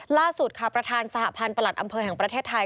ล่าสุดค่ะประธานสหพันธ์ประหลัดอำเภอแห่งประเทศไทย